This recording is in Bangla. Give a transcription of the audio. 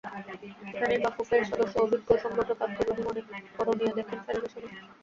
এখানেই বাফুফের সদস্য অভিজ্ঞ সংগঠক আবদুর রহিম অনেক করণীয় দেখেন ফেডারেশনের।